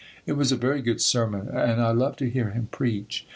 It was a very good sermon and I love to hear him preach.